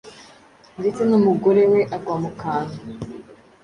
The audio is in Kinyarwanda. ndetse n’umugore we agwa mu kantu.